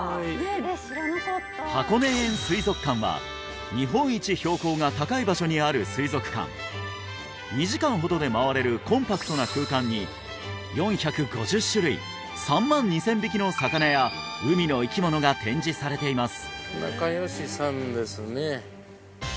知らない箱根園水族館は日本一標高が高い場所にある水族館２時間ほどで回れるコンパクトな空間に４５０種類３万２０００匹の魚や海の生き物が展示されています